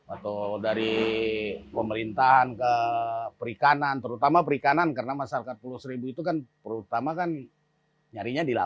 atau dari pemerintahan ke perikanan terutama perikanan karena masyarakat pulau seribu itu kan perutuannya itu ada